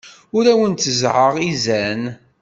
Ur awen-tteẓẓɛeɣ izan.